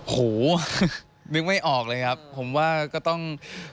โหนึกไม่ออกเลยครับผมว่าก็ต้อง